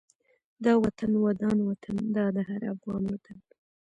دا وطن ودان وطن دا د هر افغان وطن